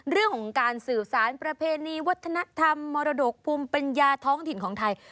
เรื่องของการสื่อสารประเพณีวัฒนธรรมมรดกภูมิปัญญาท้องถิ่นของไทย